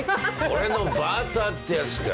俺のバーターってやつか。